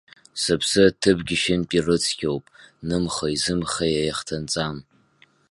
Сыԥсы аҭыԥгьы шәынтә ирыцқьоуп, нымхеи зымхеи еихҭынҵам.